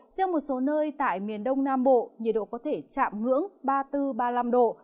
riêng một số nơi tại miền đông nam bộ nhiệt độ có thể chạm ngưỡng ba mươi bốn ba mươi năm độ